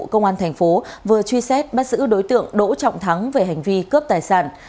công an thành phố vừa truy xét bắt giữ đối tượng đỗ trọng thắng về hành vi cướp tài sản